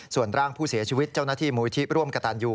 ส่วนร่างผู้เสียชีวิตเจ้าหน้าที่มูลที่ร่วมกระตันยู